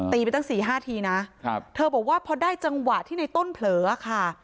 ไปตั้งสี่ห้าทีนะครับเธอบอกว่าพอได้จังหวะที่ในต้นเผลอค่ะ